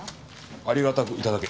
ありがたく頂け。